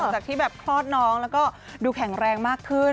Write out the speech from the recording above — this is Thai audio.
จากที่แบบคลอดน้องแล้วก็ดูแข็งแรงมากขึ้น